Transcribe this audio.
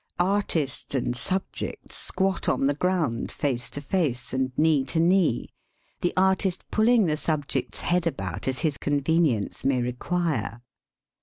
Artist and subject squat on the ground face to face and knee to knee, the artist pulling the subject's head about as his convenience may require.